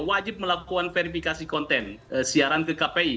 wajib melakukan verifikasi konten siaran ke kpi